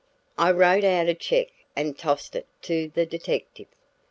I wrote out a check and tossed it to the detective.